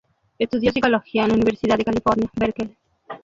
Estudió psicología en la Universidad de California, en Berkeley.